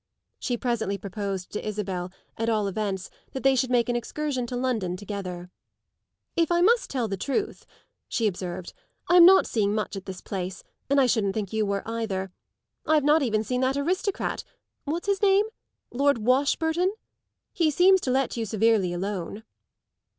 She presently proposed to Isabel, at all events, that they should make an excursion to London together. "If I must tell the truth," she observed, "I'm not seeing much at this place, and I shouldn't think you were either. I've not even seen that aristocrat what's his name? Lord Washburton. He seems to let you severely alone."